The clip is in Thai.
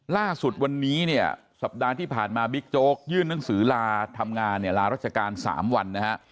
ล่าสุดวันนี้เนี่ยสัปดาห์ที่ผ่านมาบิ๊กโจ๊กยื่นหนังสือลาทำงานเนี่ยลารัชการ๓วันนะฮะ